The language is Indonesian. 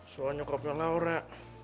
soalnya kakaknya laura